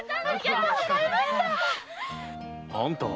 あんたは！